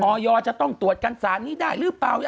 จะต้องตรวจกันสารนี้ได้หรือเปล่า